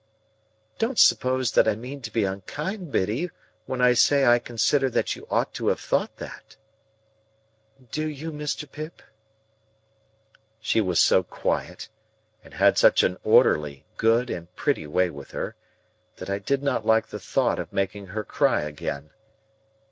"Don't suppose that I mean to be unkind, Biddy, when I say I consider that you ought to have thought that." "Do you, Mr. Pip?" She was so quiet, and had such an orderly, good, and pretty way with her, that I did not like the thought of making her cry again.